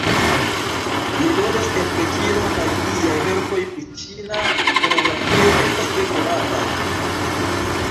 Li loĝas en Pekino kaj liaj verkoj pri ĉina ikonografio estas tre konataj.